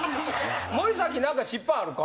森崎なんか失敗あるか？